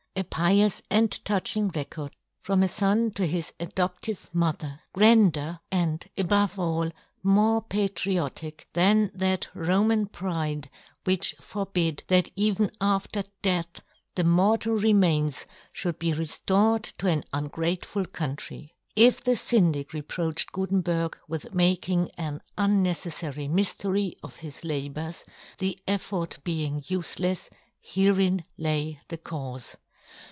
'^ A pious and touching record from a fon to his 3doptive mother ! grander, and above all more patriotic than that Roman pride which 46 yohn Gutenberg. forbid that even after death the mor tal remains fhould be reflored to an ungrateful country ! If the Syndic reproached Guten berg with making an unneceffary myftery of his labours, the effort being ufelefs, herein lay the caufe.